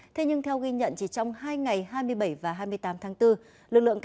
thế nhưng theo ghi nhận chỉ trong hai ngày hai mươi bảy và hai mươi tám tháng bốn